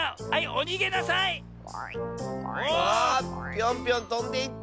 ピョンピョンとんでいった！